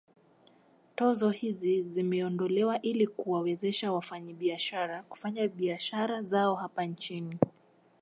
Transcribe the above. Tozo hizi zimeondolewa ili kuwawezesha wafanyabiashara kufanya biashara zao hapa nchini